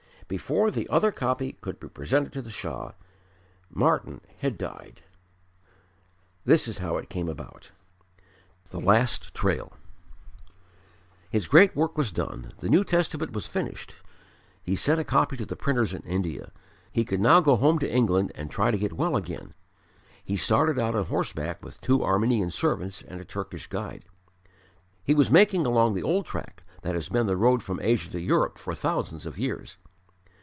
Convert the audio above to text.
Before the other copy could be presented to the Shah, Martyn had died. This is how it came about. The Last Trail His great work was done. The New Testament was finished. He sent a copy to the printers in India. He could now go home to England and try to get well again. He started out on horseback with two Armenian servants and a Turkish guide. He was making along the old track that has been the road from Asia to Europe for thousands of years.